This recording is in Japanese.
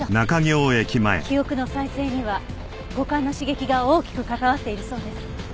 記憶の再生には五感の刺激が大きく関わっているそうです。